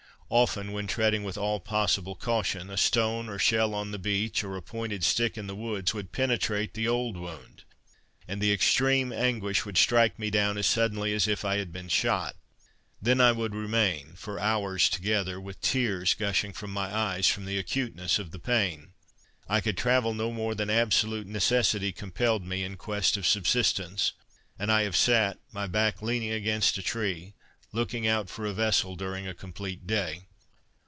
Often, when treading with all possible caution, a stone or shell on the beach, or a pointed stick in the woods, would penetrate the old wound, and the extreme anguish would strike me down as suddenly as if I had been shot. Then I would remain, for hours together, with tears gushing from my eyes, from the acuteness of the pain. I could travel no more than absolute necessity compelled me, in quest of subsistence; and I have sat, my back leaning against a tree, looking out for a vessel during a complete day.